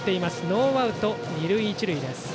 ノーアウト二塁一塁です。